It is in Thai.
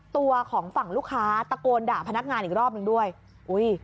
ตัวของฝั่งลูกค้าตะโกนด่าพนักงานอีกรอบหนึ่งด้วยอุ้ย